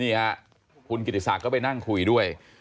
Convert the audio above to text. เนี่ยครูกิจศาสตร์ก็ไปนั่งคุยด้วย